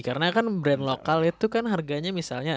karena kan brand lokal itu kan harganya misalnya